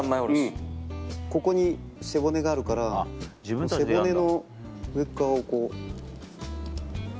ここに背骨があるから背骨の上っ側をこう。